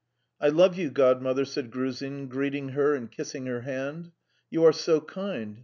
"I love you, Godmother," said Gruzin, greeting her and kissing her hand. "You are so kind!